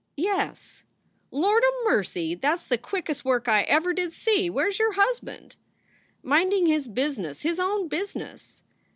"Yes." "Lord o mercy! that s the quickest work I ever did see! Where s your husband?" "Minding his business his own business!"